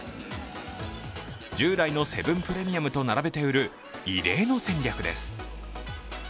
従来のセブンプレミアムと並べて売る異例の戦略です。